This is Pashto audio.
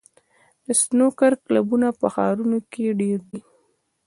د سنوکر کلبونه په ښارونو کې ډېر دي.